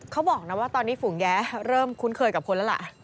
เขาบอกนะว่าตอนนี้ฝูงแย้เริ่มคุ้นเคยกับคนแล้วล่ะ